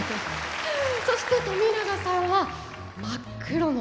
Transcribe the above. そして冨永さんは真っ黒の。